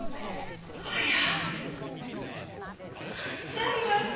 専務。